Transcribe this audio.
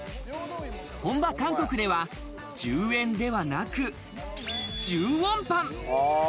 本場韓国では１０円ではなく、１０ウォンパン。